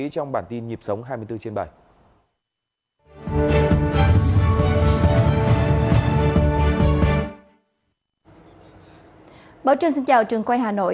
trong bản tin nhịp sống hai mươi bốn h bảy